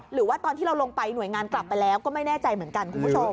หรือว่าตอนที่เราลงไปหน่วยงานกลับไปแล้วก็ไม่แน่ใจเหมือนกันคุณผู้ชม